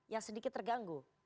yang sedikit terganggu